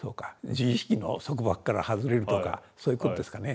自意識の束縛から外れるとかそういうことですかね。